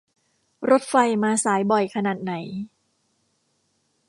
รถไฟมาสายบ่อยขนาดไหน